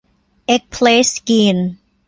เอ็กซ์เพรสสกรีน